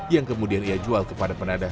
yang kemudian ia jual kepada penadah